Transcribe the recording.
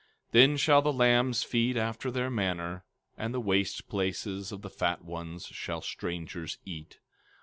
15:17 Then shall the lambs feed after their manner, and the waste places of the fat ones shall strangers eat.